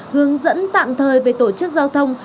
hướng dẫn tạm thời về tổ chức giao thông